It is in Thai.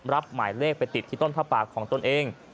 หมายเลขไปติดที่ต้นผ้าปากของตนเอง